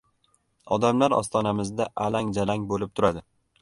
Odamlar ostonamizda alang-jalang bo‘lib turadi.